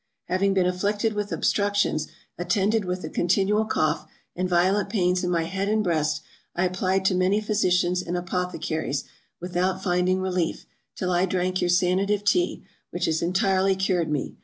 HAVING been afflicted with obstructions, attended with a continual cough and violent pains in my head and breast I applied to many physicians and apothecaries, without finding relief, till I drank your Sanative Tea, which has entirely cured me.